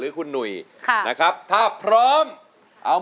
ทุกคนนี้ก็ส่งเสียงเชียร์ทางบ้านก็เชียร์